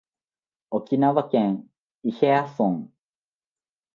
沖縄県伊平屋村